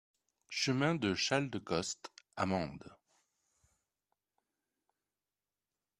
Chemin de Chaldecoste à Mende